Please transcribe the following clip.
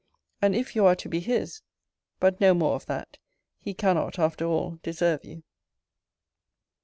And if you are to be his But no more of that: he cannot, after all, deserve you.